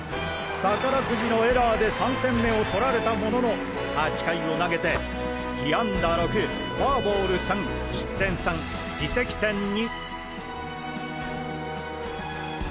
宝くじのエラーで３点目を取られたものの８回を投げて被安打６フォアボール３失点３自責点２。